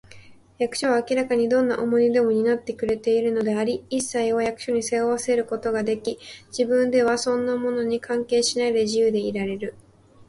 役所は明らかにどんな重荷でも担ってくれているのであり、いっさいを役所に背負わせることができ、自分ではそんなものに関係しないで、自由でいられる